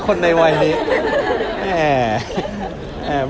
ก็ไม่ได้รีบ